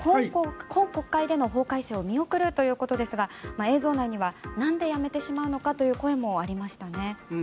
今国会での法改正を見送るということですが映像内にはなんでやめてしまうのかという声もありましたね。